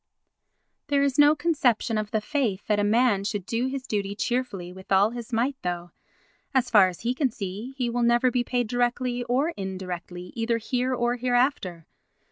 There is no conception of the faith that a man should do his duty cheerfully with all his might though, as far as he can see, he will never be paid directly or indirectly either here or hereafter.